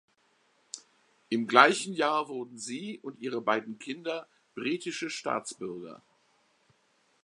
Im gleichen Jahr wurden sie und ihre beiden Kinder britische Staatsbürger.